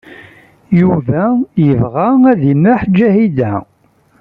Yuba yebɣa ad imaḥ Ǧahida.